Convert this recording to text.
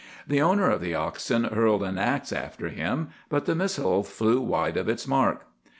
The owner of the oxen hurled an axe after him, but the missile flew wide of its mark.